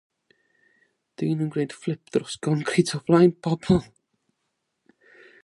Dyn yn gwneud fflip dros goncrit o flaen pobl.